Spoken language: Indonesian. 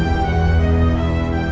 supaya bayi itu hidup dengan layak